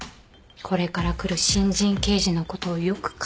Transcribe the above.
これから来る新人刑事のことをよく観察してくれって。